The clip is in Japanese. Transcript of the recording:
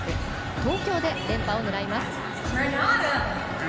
東京で連覇を狙います。